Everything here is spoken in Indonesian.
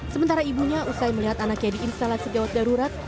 sementara ibunya usai melihat anaknya diinstalat sejawat darurat